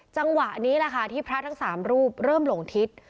จังหวะนี้แหละค่ะที่พระทั้ง๓รูปเริ่มหลงทิศ